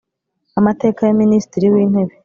Amateka ya minisitiri w intebe